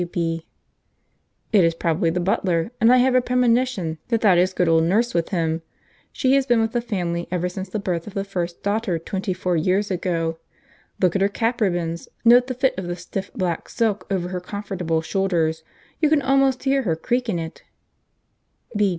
W.B. "It is probably the butler, and I have a premonition that that is good old Nurse with him. She has been with family ever since the birth of the first daughter twenty four years ago. Look at her cap ribbons; note the fit of the stiff black silk over her comfortable shoulders; you can almost hear her creak in it!"